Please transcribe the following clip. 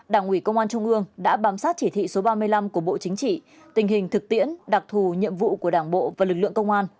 đảng ủy công an trung ương đã bám sát chỉ thị số ba mươi năm của bộ chính trị tình hình thực tiễn đặc thù nhiệm vụ của đảng bộ và lực lượng công an